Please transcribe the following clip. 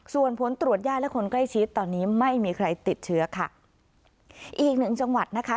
ส่วนผลตรวจญาติและคนใกล้ชิดตอนนี้ไม่มีใครติดเชื้อค่ะอีกหนึ่งจังหวัดนะคะ